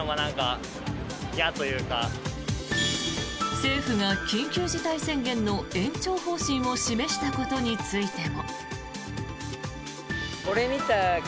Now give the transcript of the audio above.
政府が緊急事態宣言の延長方針を示したことについても。